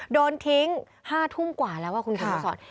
โดนทิ้ง๕ทุ่มกว่าแล้วคุณคุณผู้ชายสอน